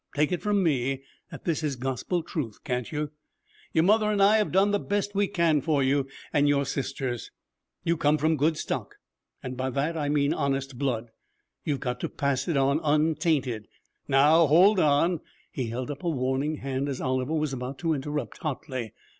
Take it from me that this is Gospel truth, can't you? Your mother and I have done the best we can for you and your sisters. You come from good stock, and by that I mean honest blood. You've got to pass it on untainted. Now hold on!' he held up a warning hand as Oliver was about to interrupt hotly.